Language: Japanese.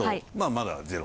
まだゼロ。